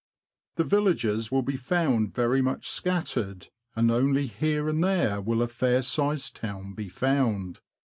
The villages will be found very much scattered, and only here and there will a fair sized town be found.